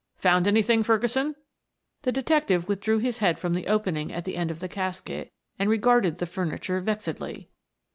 "Found anything, Ferguson?" The detective withdrew his head from the opening at the end of the casket, and regarded the furniture vexedly.